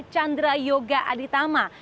chandra yoga aditama